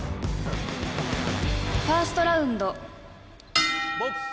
「ファーストラウンド」ボックス。